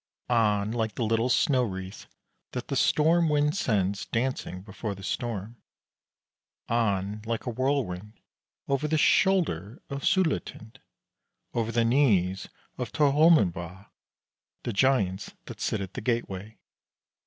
On like the little snow wreath that the storm wind sends dancing before the storm, on like a whirlwind over the shoulder of Suletind, over the knees of Torholmenbrae the Giants that sit at the gateway.